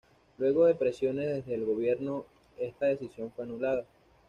Luego de presiones desde el gobierno esta decisión fue anulada.